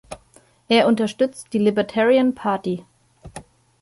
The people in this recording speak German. Er unterstützt die Libertarian Party.